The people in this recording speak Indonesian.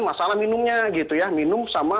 masalah minumnya gitu ya minum sama